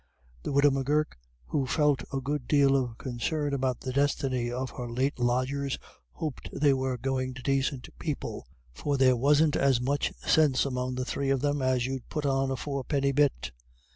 The widow M'Gurk, who felt a good deal of concern about the destiny of her late lodgers, hoped "they were goin' to dacint people, for there wasn't as much sinse among the three of them as you'd put on a fourpenny bit."